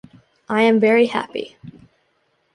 I am very happy.